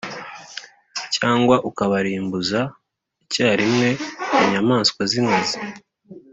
cyangwa ukabarimbuza icyarimwe inyamaswa z’inkazi,